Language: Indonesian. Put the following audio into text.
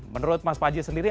menurut mas fadji sendiri